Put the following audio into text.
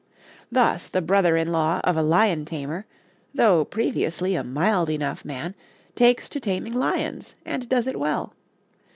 Thus the brother in law of a lion tamer, though previously a mild enough man, takes to taming lions, and does it well.